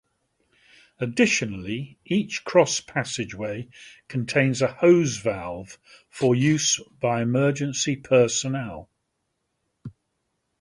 Additionally, each cross-passageway contains a hose valve for use by emergency personnel.